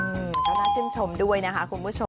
ขอรับชิมชมด้วยนะคะคุณผู้ชม